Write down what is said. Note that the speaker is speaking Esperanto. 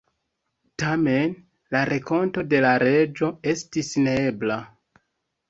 Tamen, la renkonto de la reĝo estis neebla.